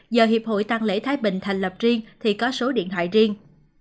do hiệp hội tăng lễ thái bình thành lập riêng thì có số điện thoại riêng